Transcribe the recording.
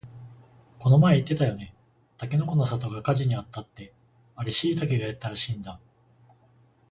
この前言ってたよね、たけのこの里が火事にあったってあれしいたけがやったらしいんだ